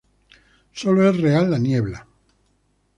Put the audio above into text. Sólo es real la niebla, Ed.